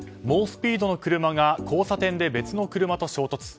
猛スピードの車が交差点で別の車と衝突。